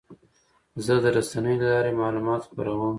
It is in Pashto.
زه د رسنیو له لارې معلومات خپروم.